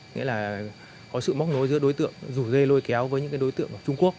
nghĩa là có sự móc nối giữa đối tượng rủ dê lôi kéo với những đối tượng ở trung quốc